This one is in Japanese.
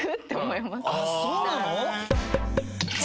あっそうなの？